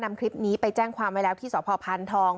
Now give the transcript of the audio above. นำคลิปนี้ไปแจ้งความไว้แล้วที่สพพานทอง